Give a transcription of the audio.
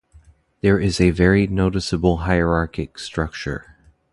There is a very noticeable hierarchic structure.